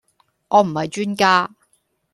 我唔係專家